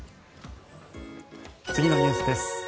次のニュースです。